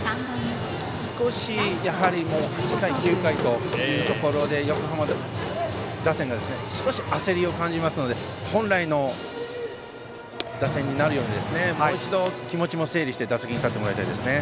少し、打ちたいところで横浜打線が少し焦りを感じますので本来の打線になるようにもう一度、気持ちも整理して打席に立ってもらいたいですね。